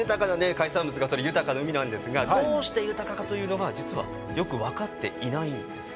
海産物がとれる豊かな海なんですがどうして豊かかというのは実はよく分かっていないんですね。